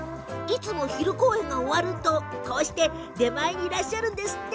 いつも昼公演が終わるとこうして出前にいらっしゃるんです。